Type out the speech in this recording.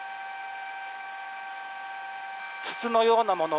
筒のようなもの